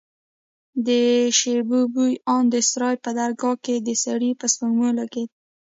د شبيو بوى ان د سراى په درگاه کښې د سړي په سپږمو لگېده.